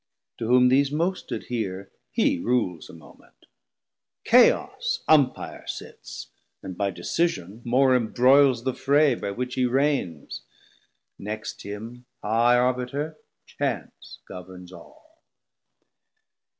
To whom these most adhere, Hee rules a moment; Chaos Umpire sits, And by decision more imbroiles the fray By which he Reigns: next him high Arbiter Chance governs all.